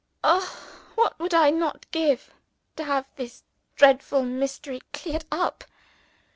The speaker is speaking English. Oh, what would I not give to have this dreadful mystery cleared up!